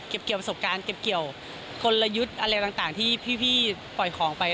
เกี่ยวประสบการณ์เก็บเกี่ยวกลยุทธ์อะไรต่างที่พี่ปล่อยของไป